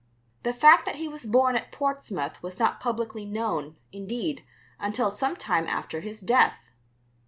The fact that he was born at Portsmouth was not publicly known, indeed, until some time after his death.